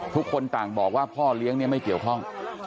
ทุกคนต่างบอกว่าพ่อเลี้ยงเนี่ยไม่เกี่ยวข้อง